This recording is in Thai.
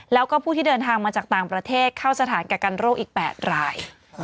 แล้วก็ผู้ที่เดินทางมาจากต่างประเทศเข้าสถานกักกันโรคอีก๘ราย